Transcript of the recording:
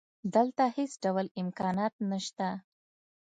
دلته هېڅ ډول امکانات نشته